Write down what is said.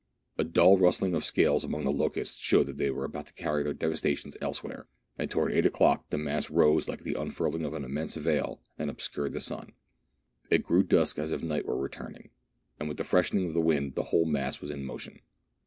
A dull rustling of scales among the locusts showed that they were about to carry their devastations elsewhere ; and 1 66 MERIDIANA; THE ADVENTURES OF towards eight o'clock the mass rose like the unfurling of an immense veil, and obscured the sun. It grew dusk as if night were returning, and with the freshening of the wind the whole mass was in motion.